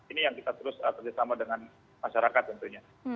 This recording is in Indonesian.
ini yang kita terus kerjasama dengan masyarakat tentunya